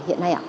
hiện nay ạ